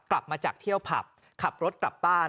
กลับมาจากเที่ยวผับขับรถกลับบ้าน